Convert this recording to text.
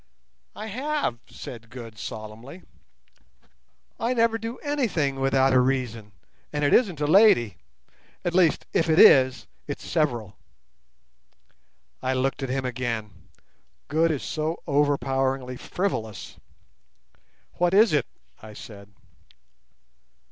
"I have," said Good, solemnly. "I never do anything without a reason; and it isn't a lady—at least, if it is, it's several." I looked at him again. Good is so overpoweringly frivolous. "What is it?" I said.